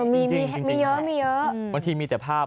มีเยอะบางทีมีแต่ภาพ